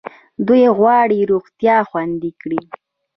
دوی غواړي روغتیا خوندي کړي.